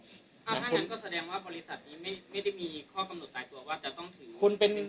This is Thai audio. ถ้างั้นก็แสดงว่าบริษัทนี้ไม่ได้มีข้อกำหนดตายตัวว่าจะต้องถือ